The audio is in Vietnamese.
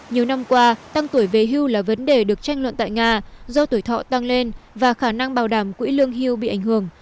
nhiều năm qua tăng tuổi về hưu là vấn đề được tranh luận tại nga do tuổi thọ tăng lên và khả năng bảo đảm quỹ lương hưu bị ảnh hưởng